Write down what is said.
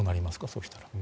そうしたら。